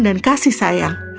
dan kasih sayang